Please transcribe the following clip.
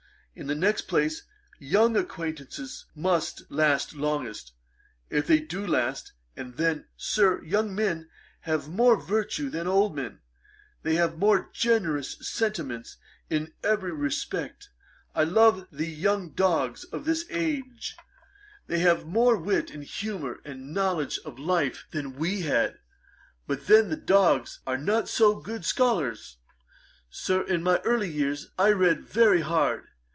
In the next place, young acquaintances must last longest, if they do last; and then, Sir, young men have more virtue than old men; they have more generous sentiments in every respect. I love the young dogs of this age: they have more wit and humour and knowledge of life than we had; but then the dogs are not so good scholars, Sir, in my early years I read very hard.